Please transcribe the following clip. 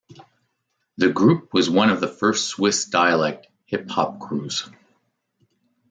The group was one of the first Swiss dialect hip hop crews.